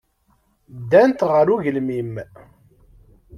Ddant ɣer ugelmim.